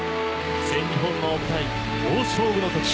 全日本の舞台、大勝負の時。